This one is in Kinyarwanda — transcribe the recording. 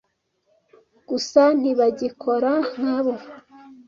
Gusa ntibagikora nkabo.